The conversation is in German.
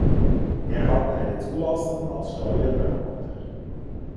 Er hat eine Zulassung als Steuerberater.